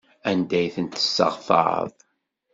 Anda ay tent-tesseɣtaḍ?